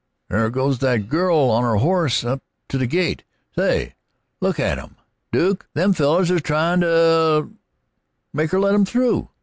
"There goes that girl on her horse up to the gate say, look at 'em, Duke! Them fellers is tryin' to make her let 'em through."